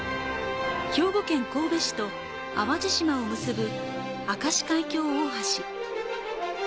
兵庫県神戸市と淡路島を結ぶ明石海峡大橋。